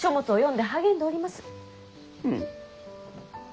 うん。